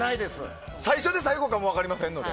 最初で最後かも分かりませんので。